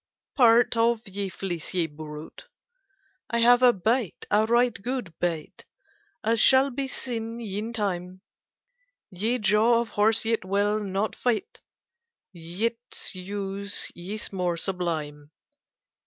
Parte of ye fleecye brute. I have a bytte—a ryghte good bytte— As shall bee seene yn tyme. Ye jawe of horse yt wyll not fytte; Yts use ys more sublyme.